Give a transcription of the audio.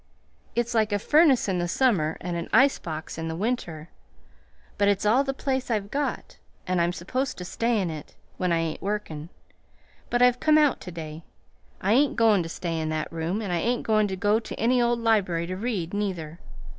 It's like a furnace in the summer and an ice box in the winter; but it's all the place I've got, and I'm supposed to stay in it when I ain't workin'. But I've come out to day. I ain't goin' to stay in that room, and I ain't goin' to go to any old library to read, neither.